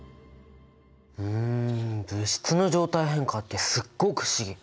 うん物質の状態変化ってすっごく不思議。